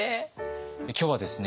今日はですね